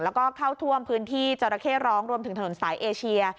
แล้วก็เข้าท่วมพื้นที่จราเข้ร้องรวมถึงถนนสายเอเชีย